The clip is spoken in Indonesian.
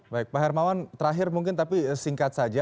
baik pak hermawan terakhir mungkin tapi singkat saja